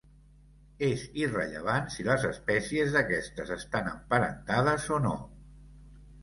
És irrellevant si les espècies d'aquestes estan emparentades o no.